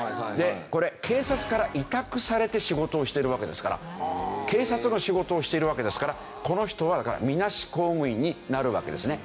これ警察から委託されて仕事をしているわけですから警察の仕事をしているわけですからこの人はだからみなし公務員になるわけですね。